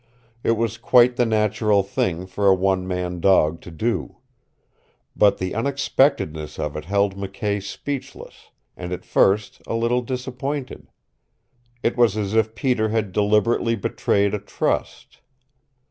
It was quite the natural thing for a one man dog to do. But the unexpectedness of it held McKay speechless, and at first a little disappointed. It was as if Peter had deliberately betrayed a trust.